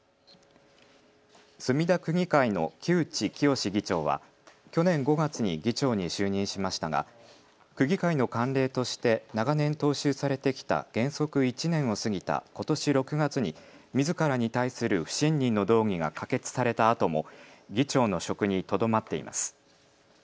墨田区議会の木内清議長は去年５月に議長に就任しましたが区議会の慣例として長年、踏襲されてきた原則１年を過ぎたことし６月にみずからに対する不信任の動議が可決されたあとも議長の職にとどまっています。